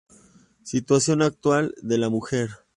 Situación actual de la mujer